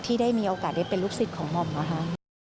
ที่ได้มีโอกาสได้เป็นลูกศิษย์ของหม่อมนะคะ